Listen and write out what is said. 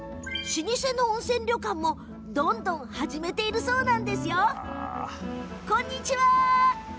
老舗の温泉旅館もどんどん始めているそうなんです。